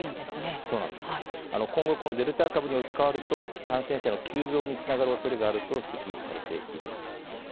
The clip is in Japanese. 今後、デルタ株に置き換わると感染者の急増につながるおそれがあると指摘されています。